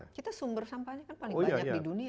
kita sumber sampahnya kan paling banyak di dunia